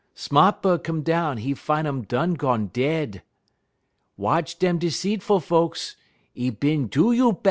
Sma't bud come down, 'e fin' um done gone dead. "Watch dem 'ceitful folks; 'e bin do you bad."